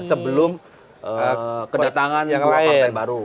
sebelum kedatangan dua partai baru